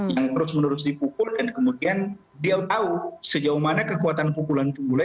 yang terus menerus dipukul dan kemudian dia tahu sejauh mana kekuatan pukulan itu boleh